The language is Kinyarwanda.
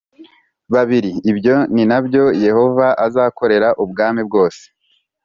Babiri ibyo ni na byo yehova azakorera ubwami bwose